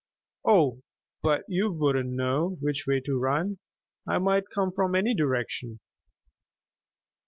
"Oh, but you wouldn't know which way to run. I might come from any direction."